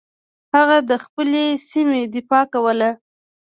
هغه د خپلې سیمې دفاع کوله.